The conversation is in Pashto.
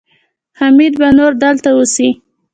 حميد به نور دلته اوسي.